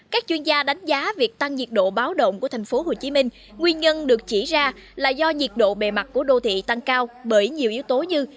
các chuyên gia đánh giá việc tăng nhiệt độ báo động của tp hcm nguyên nhân được chỉ ra là do nhiệt độ bề mặt của đô thị tăng cao bởi nhiều yếu tố như